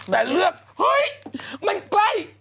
แต่เลือกเฮ้ยมันใกล้